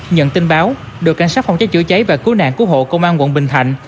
nhận tin báo đội cảnh sát phòng cháy chữa cháy và cứu nạn cứu hộ công an quận bình thạnh